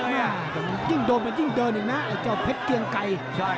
ยิ่งโด่งไปยิ่งเดินเองนะไอ้เจ้าเผ็ดเกียงไก่